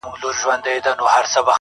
فاصله مو ده له مځکي تر تر اسمانه-